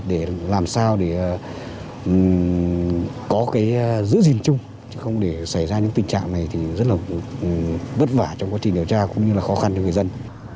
để làm sao để có cái giữ gìn chung chứ không để xảy ra những tình trạng này thì rất là vất vả trong quá trình điều tra cũng như là khó khăn cho người dân